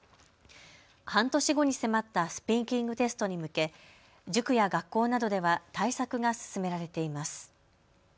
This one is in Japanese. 半年後に迫ったスピーキングテストに向け塾や学校などでは対策が進められています。